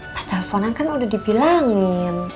pas teleponan kan udah dibilangin